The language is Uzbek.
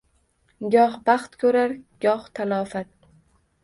Goh baxt ko‘rar va goh talofat.